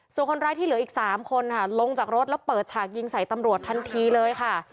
ส่วนคนร้ายที่เหลืออีก๓คนค่ะลงจากรถแล้วเปิดฉากยิงใส่ตำรวจทันทีเลยค่ะ